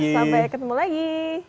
sampai ketemu lagi